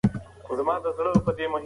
که خطبه واورو نو پند نه هیریږي.